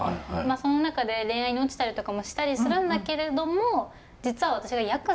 その中で恋愛に落ちたりとかもしたりするんだけれども実は私がヤクザの娘で。